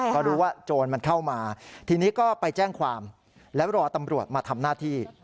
พอรู้ว่าโจรมันเข้ามาทีนี้ก็ไปแจ้งความแล้วรอตำรวจมาทำหน้าที่